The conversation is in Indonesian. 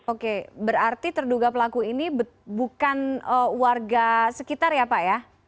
oke berarti terduga pelaku ini bukan warga sekitar ya pak ya